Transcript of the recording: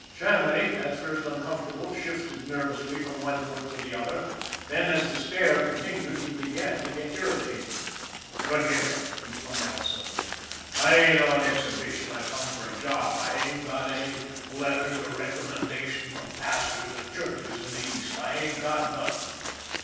Shanley, at first uncomfortable, shifted nervously from one foot to the other; then, as the stare continued, he began to get irritated. " Look here," he flung out suddenly. " I ain't on exhibition." I come for a job. I ain't got any letters 96 ON THE IRON AT BIG CLOUD of recommendation from pastors of churches in the East. I ain't got anything.